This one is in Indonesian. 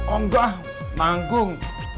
oh enggak manggung